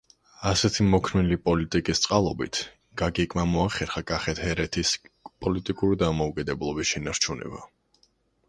ასეთი მოქნილი პოლიტიკის წყალობით, გაგიკმა მოახერხა კახეთ-ჰერეთის პოლიტიკური დამოუკიდებლობის შენარჩუნება.